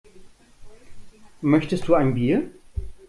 Möchtest du ein Bier?